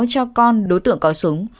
bà hát cho con đối tượng có súng